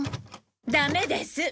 ダメです！